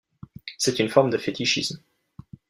C'est une forme de fétichisme.